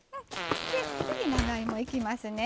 次、長芋いきますね。